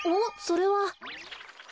それは。